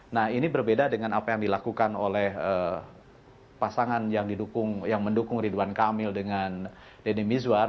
nah ini berbeda dengan apa yang dilakukan oleh pasangan yang mendukung ridwan kamil dengan denny mizwar